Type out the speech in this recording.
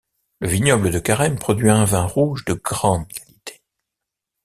Le vignoble de Carême produit un vin rouge de grande qualité.